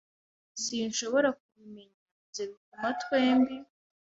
"Sinshobora kubimenya." "Ibyo bituma twembi."